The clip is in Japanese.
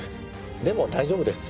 でも大丈夫です。